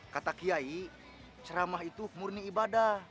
kata kiai ceramah itu murni ibadah